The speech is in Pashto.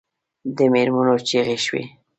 د مېرمنو چیغې شوې.